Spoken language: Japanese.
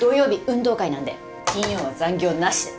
運動会なんで金曜は残業なしで。